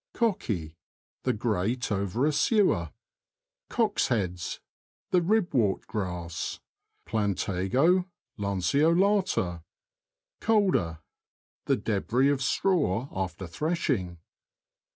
COCKEY. — The grate over a sewer. COCKS' HEADS. — The ribwort grass {Plantago lanceo latd). Colder. — The debris of straw after threshing.